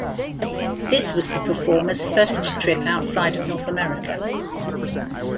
This was the performer's first trip outside of North America.